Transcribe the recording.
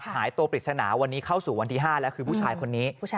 หายตัวปริศนาวันนี้เข้าสู่วันที่๕แล้วคือผู้ชายคนนี้